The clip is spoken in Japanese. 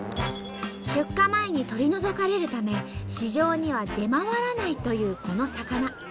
出荷前に取り除かれるため市場には出回らないというこの魚。